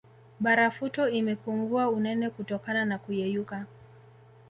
Barafuto imepungua unene kutokana na kuyeyuka